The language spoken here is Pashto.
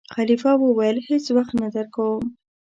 خلیفه وویل: هېڅ وخت نه درکووم.